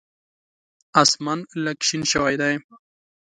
اسمان لږ شین شوی دی .